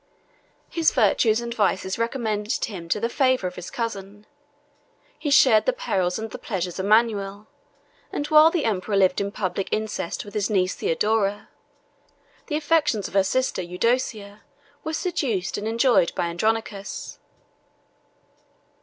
His virtues and vices recommended him to the favor of his cousin: he shared the perils and the pleasures of Manuel; and while the emperor lived in public incest with his niece Theodora, the affections of her sister Eudocia were seduced and enjoyed by Andronicus.